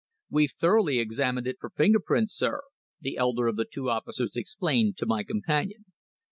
"We've thoroughly examined it for finger prints, sir," the elder of the two officers explained to my companion.